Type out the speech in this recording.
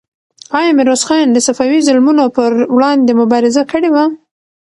آیا میرویس خان د صفوي ظلمونو پر وړاندې مبارزه کړې وه؟